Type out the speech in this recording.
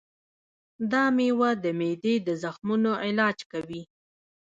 دا مېوه د معدې د زخمونو علاج کوي.